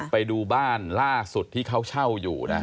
ไปดูบ้านล่าสุดที่เขาเช่าอยู่นะ